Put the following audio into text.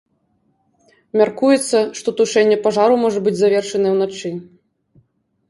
Мяркуецца, што тушэнне пажару можа быць завершанае ўначы.